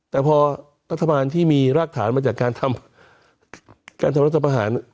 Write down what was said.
แต่พอรัฐบาลที่มีรากฐานมาจากการทำการทำรัฐประหาร